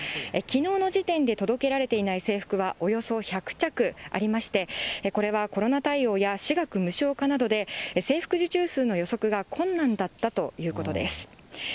きのうの時点で届けられていない制服はおよそ１００着ありまして、これはコロナ対応や私学無償化などで、制服受注数の予測が困難だったということです。